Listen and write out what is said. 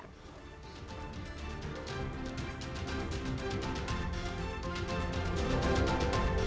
nah ini juga sudah terjadi